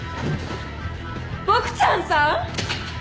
ボクちゃんさん！